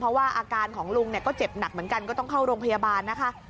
เพราะว่าอาการของลุงเนี่ยก็เจ็บหนักเหมือนกันก็ต้องเข้าโรงพยาบาลนะคะ